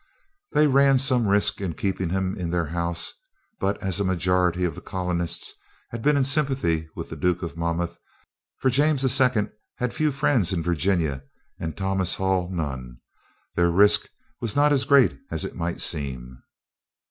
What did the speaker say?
They ran some risk in keeping him in their house; but as a majority of the colonists had been in sympathy with the Duke of Monmouth, for James II. had few friends in Virginia and Thomas Hull none, their risk was not as great as it might seem.